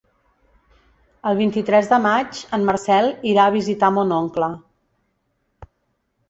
El vint-i-tres de maig en Marcel irà a visitar mon oncle.